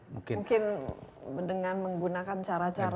mungkin dengan menggunakan cara cara